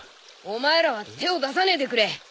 お前らは手を出さねえでくれ。